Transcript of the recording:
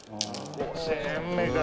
「５０００円目か」